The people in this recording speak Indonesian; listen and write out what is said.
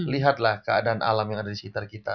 lihatlah keadaan alam yang ada di sekitar kita